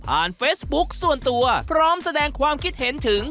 เฟซบุ๊คส่วนตัวพร้อมแสดงความคิดเห็นถึง